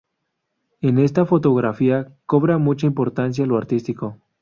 En esta fotografía, cobra mucha importancia lo artístico.